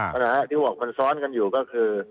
นะฮะที่บอกมันซ้อนกันอยู่ก็คือ